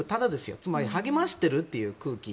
つまり励ましてるという空気。